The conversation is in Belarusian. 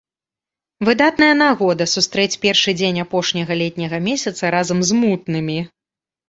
Выдатная нагода сустрэць першы дзень апошняга летняга месяца разам з мутнымі!